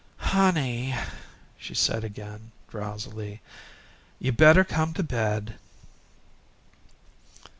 "Honey," she said again, drowsily, "you better come to bed."